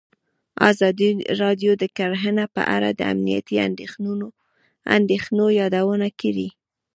ازادي راډیو د کرهنه په اړه د امنیتي اندېښنو یادونه کړې.